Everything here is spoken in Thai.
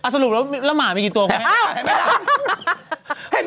สรุปแล้วหมามีกี่ตัวคะ